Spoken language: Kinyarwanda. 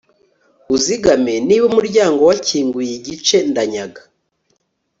Uzigame niba umuryango wakinguye igice ndanyaga